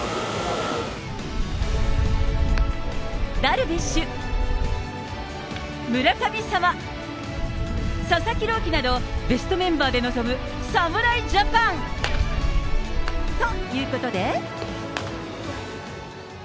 ダルビッシュ、村神様、佐々木朗希など、ベストメンバーで臨む侍ジャパン、ということで。